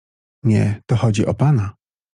— Nie, to chodzi o pana.